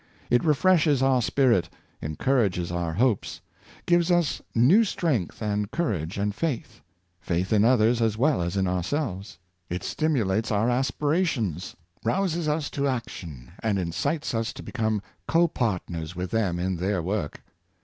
It refreshes our spirit, encourages our hopes, gives us new strength and courage and faith — faith in others as well as in our 548 History and Biography, selves. It stimulates our aspirations, rouses us to ac tion, and incites us to become co partners with them in their work.